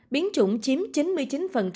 biến chủng chiếm chính